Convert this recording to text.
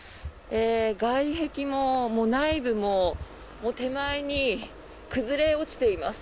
外壁も内部も手前に崩れ落ちています。